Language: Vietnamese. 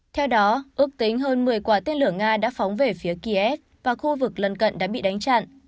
theo đó ước tính hơn một mươi quả tên lửa nga đã phóng về phía kiev và khu vực lân cận đã bị đánh chặn